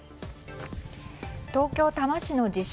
東京・多摩市の自称